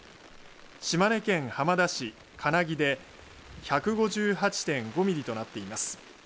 島根県浜田市金城で１５８．５ミリとなっています。